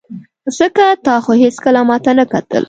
ځکه تا خو هېڅکله ماته نه کتل.